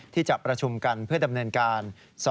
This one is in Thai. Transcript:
ที่จะประชุมกันเพื่อดำเนินการ